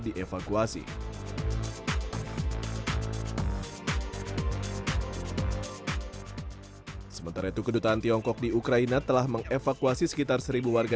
dievakuasi sementara itu kedutaan tiongkok di ukraina telah mengevakuasi sekitar seribu warga